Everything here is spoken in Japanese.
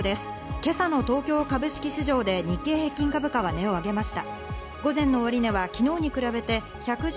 今朝の東京株式市場で日経平均株価は値を上げました。